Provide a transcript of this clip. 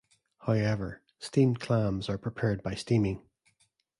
However, steamed clams are prepared by steaming.